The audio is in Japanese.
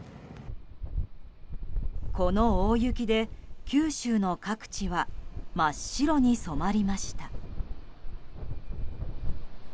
この大雪で、九州の各地は真っ白に染まりました。